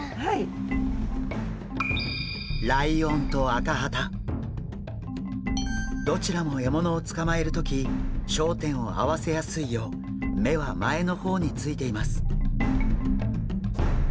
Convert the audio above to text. ライオンとアカハタどちらも獲物をつかまえる時焦点を合わせやすいよう目は前の方についています。